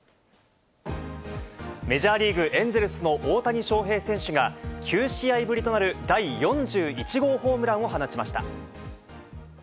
メジャーリーグ・エンゼルスの大谷翔平選手が、９試合ぶりとなる第４１号ホームランを放ちました。